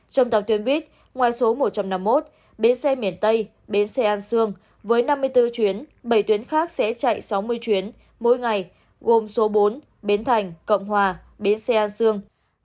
trong tàu tuyến buýt ngoài số một trăm năm mươi một bến xe miền tây bến xe an sương với năm mươi bốn chuyến bảy tuyến khác sẽ chạy sáu mươi chuyến mỗi ngày gồm số bốn bến thành cộng hòa bến xe an sương